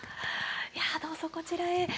どうぞこちらへ。